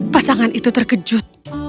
pasangan itu terkejut